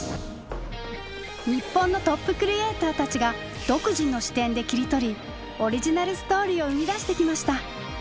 日本のトップクリエーターたちが独自の視点で切り取りオリジナルストーリーを生み出してきました。